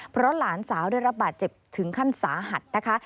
เพราะหลานสาวได้รับบาดเจ็บถึงขั้นสาหัสนะคะ